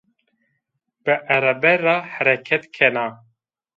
Bi erebe ra hereket kena.